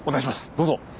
どうぞ。